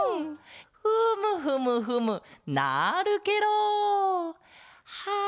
フムフムフムなるケロ！はあ